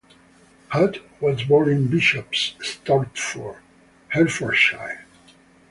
Hutt was born in Bishops Stortford, Hertfordshire.